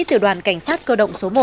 tiểu đoàn cảnh sát cơ động số một